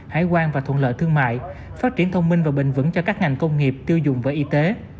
hải quan và thuận lợi thương mại phát triển thông minh và bền vững cho các ngành công nghiệp tiêu dùng và y tế